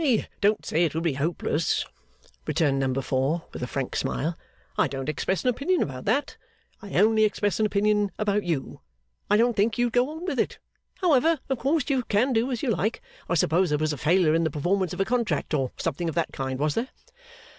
'I don't say it would be hopeless,' returned number four, with a frank smile. 'I don't express an opinion about that; I only express an opinion about you. I don't think you'd go on with it. However, of course, you can do as you like. I suppose there was a failure in the performance of a contract, or something of that kind, was there?